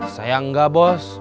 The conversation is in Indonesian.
saya enggak bos